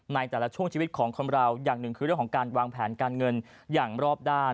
ในแต่ละช่วงชีวิตของคนเราอย่างหนึ่งคือเรื่องของการวางแผนการเงินอย่างรอบด้าน